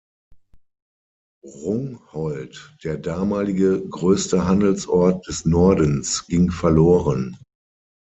Rungholt, der damalige größte Handelsort des Nordens, ging verloren.